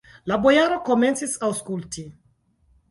La bojaro komencis aŭskulti.